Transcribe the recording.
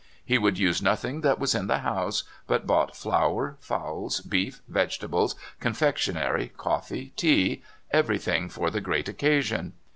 He would use nothing that was in the house, but bought flour, fowls, beef, vegetables, confectionery, coffee, tea, everything for the great occasion.